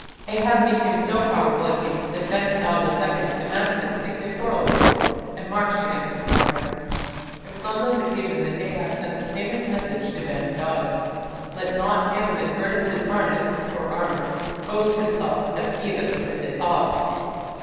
Ahab became so powerful a king that Ben hadad II of Damascus picked a quarrel with him, and marched against Samaria. It was on this occasion that Ahab sent the famous message to Ben hadad: "Let not him that girdeth on his harness (armour) boast himself as he that putteth it off".